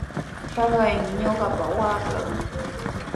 Taqaymi ñuqapa waakaqa.